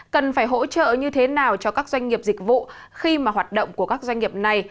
cần phải hỗ trợ như thế nào cho các doanh nghiệp dịch vụ khi mà hoạt động của các doanh nghiệp này